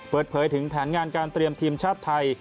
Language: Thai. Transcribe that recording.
เปิดเผยถึงแผนงานการเตรียมทีมชาติไทย